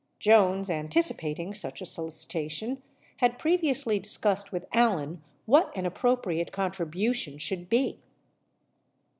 Jones, anticipating such a solicitation, had previ ously discussed with Allen what an appropriate contribution should be.